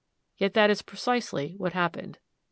Yet that is precisely what happened.